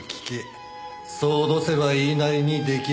そう脅せば言いなりに出来る」